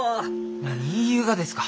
何言いゆうがですか？